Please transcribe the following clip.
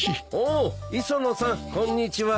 お磯野さんこんにちは。